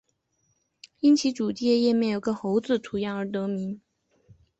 因其主界面上有个猴子图样而得名。